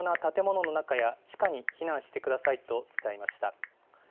頑丈な建物の中や地下に避難してくださいと伝えました。